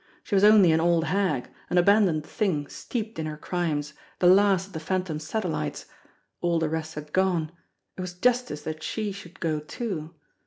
She was only an old hag, an abandoned thing steeped in her crimes, the last of the Phantom's satellites all the rest had gone it was justice that she should go too.